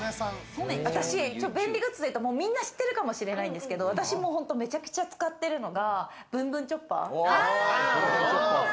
私便利グッズでいうと、みんな知ってるかもしれないんですけれど、私もめちゃくちゃ使ってるのがぶんぶんチョッパー。